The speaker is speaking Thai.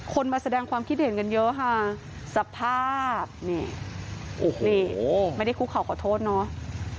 มาแสดงความคิดเห็นกันเยอะค่ะสภาพนี่โอ้โหนี่ไม่ได้คุกเข่าขอโทษเนาะ